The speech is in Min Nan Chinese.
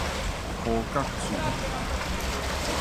塗墼厝